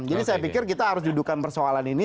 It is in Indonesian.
jadi saya pikir kita harus dudukan persoalan ini